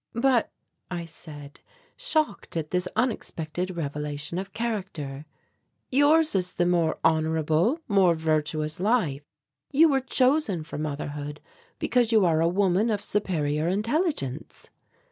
"But," I said, shocked at this unexpected revelation of character, "yours is the more honourable, more virtuous life. You were chosen for motherhood because you are a woman of superior intelligence."